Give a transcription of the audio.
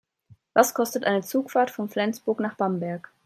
Was kostet eine Zugfahrt von Flensburg nach Bamberg?